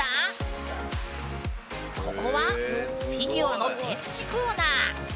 ここはフィギュアの展示コーナー。